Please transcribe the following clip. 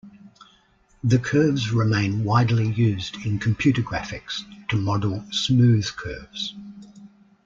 The curves remain widely used in computer graphics to model smooth curves.